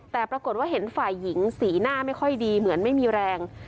แต่ปรากฏว่าเห็นฝ่ายหญิงสีหน้าไม่ค่อยดีเหมือนไม่มีแรง